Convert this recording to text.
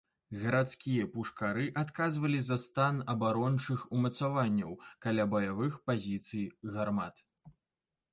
Гарадскія пушкары адказвалі за стан абарончых умацаванняў каля баявых пазіцый гармат.